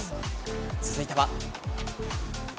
続いては。